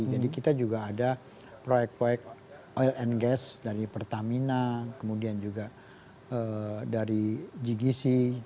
kita juga ada proyek proyek oil and gas dari pertamina kemudian juga dari ggc